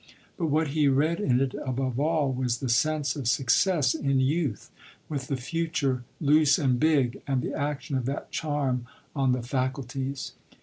But what he read in it above all was the sense of success in youth, with the future loose and big, and the action of that charm on the faculties.